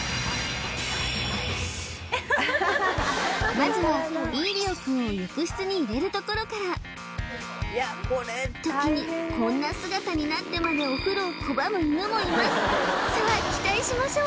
まずはイーリオくんを浴室に入れるところから時にこんな姿になってまでお風呂を拒む犬もいますさあそうそう